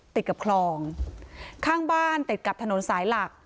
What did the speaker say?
ติดกับคลองข้างบ้านติดกับถนนสายหลัก